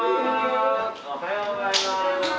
おはようございます！